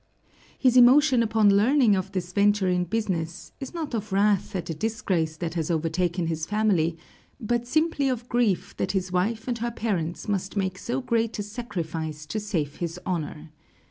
His emotion upon learning of this venture in business is not of wrath at the disgrace that has overtaken his family, but simply of grief that his wife and her parents must make so great a sacrifice to save his honor.